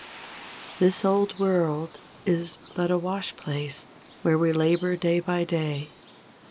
This old world is but a wash place, where we labor day by day.